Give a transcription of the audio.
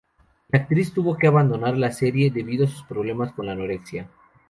La actriz tuvo que abandonar la serie debido a sus problemas con la anorexia.